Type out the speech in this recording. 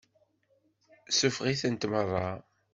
Suffeɣ-itent meṛṛa.